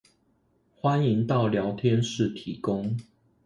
歡迎到聊天室提供